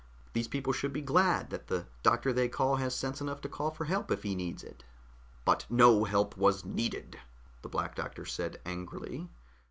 These people should be glad that the doctor they call has sense enough to call for help if he needs it." "But no help was needed," the Black Doctor said angrily.